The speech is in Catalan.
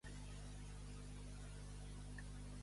Nostre Senyor fa el que Déu vol.